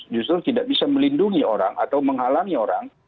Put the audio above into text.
justru tidak bisa melindungi orang atau menghalangi orang